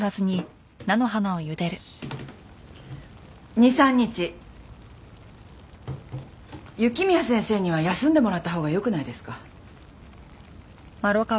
２３日雪宮先生には休んでもらったほうがよくないですか？